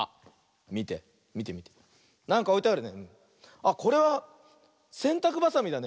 あっこれはせんたくばさみだね。